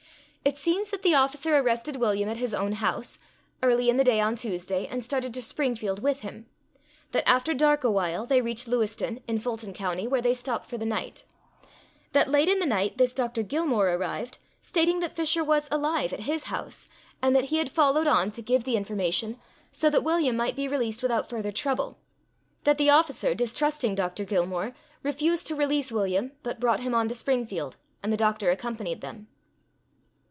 It seems that the officer arrested William at his own house, early in the day on Tuesday, and started to Springfield with him; that after dark awhile, they reached Lewiston, in Fulton County, where they stopped for the night; that late in the night this Dr. Gilmore arrived, stating that Fisher was alive at his house, and that he had followed on to give the information, so that William might be released without further trouble; that the officer, distrusting Dr. Gilmore, refused to release William, but brought him on to Springfield, and the doctor accompanied them.